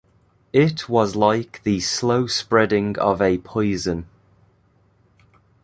It was like the slow spreading of a poison.